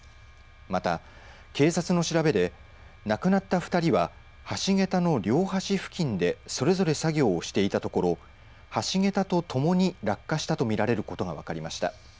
また、警察の調べで亡くなった２人は橋桁の両端付近でそれぞれ作業をしていたところ橋桁とともに落下したと見られることが分かりました。